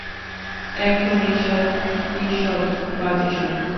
এখন, এইসব কিসব বাজে স্বপ্ন?